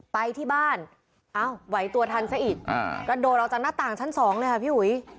ไปที่บ้านเอ้าไหวตัวทันซะอีกกระโดดออกจากหน้าต่างชั้นสองเลยค่ะพี่อุ๋ย